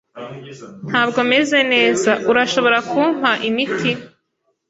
Ntabwo meze neza .Urashobora kumpa imiti?